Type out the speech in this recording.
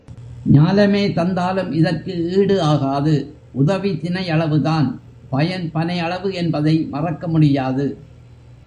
ஞாலமே தந்தாலும் இதற்கு ஈடு ஆகாது உதவி தினை அளவுதான் பயன் பனை அளவு என்பதை மறக்க முடியாது.